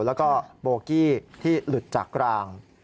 แล้วก็โบกี้ที่หลุดจากราง